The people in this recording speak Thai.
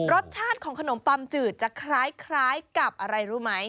รสชาติของขนมปัมจืดจะคล้ายกับอะไรรู้ไหม